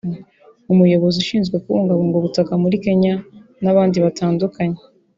umuyobozi ushyinzwe kubungabunga ubutaka muri Kenya n’abandi batandukanye